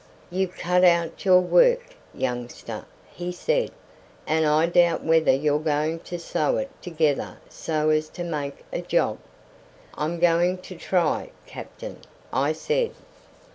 "You've cut out your work, youngster," he said; "and I doubt whether you're going to sew it together so as to make a job." "I'm going to try, captain," I said.